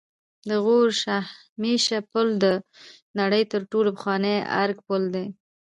د غور شاهمشه پل د نړۍ تر ټولو پخوانی آرک پل دی